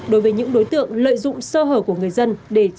đối với những đối tượng lợi dụng sơ hở của người dân để chiếm đoát tài sản